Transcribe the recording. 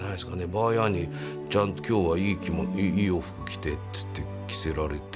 ばあやにちゃんと今日はいい洋服着てっつって着せられて。